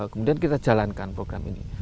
kemudian kita jalankan program ini